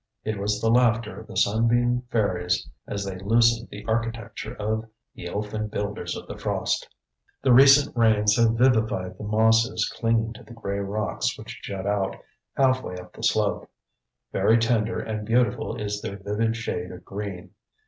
It was the laughter of the sunbeam fairies as they loosened the architecture of "the elfin builders of the frost." The recent rains have vivified the mosses clinging to the gray rocks which jut out, halfway up the slope. Very tender and beautiful is their vivid shade of green.